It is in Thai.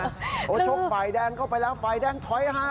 โอ้โหชกฝ่ายแดงเข้าไปแล้วฝ่ายแดงถอยฮะ